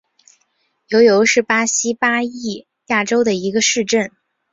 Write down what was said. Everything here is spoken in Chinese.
尤尤是巴西巴伊亚州的一个市镇。